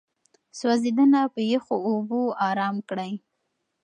سوځېدنه په يخو اوبو آرام کړئ.